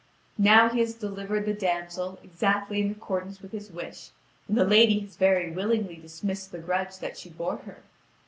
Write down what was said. Now he has delivered the damsel exactly in accordance with his wish, and the lady has very willingly dismissed the grudge that she bore her.